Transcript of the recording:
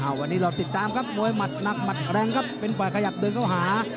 วันนี้เราติดตามครับมวยหมัดหนักหมัดแรงครับเป็นฝ่ายขยับเดินเข้าหา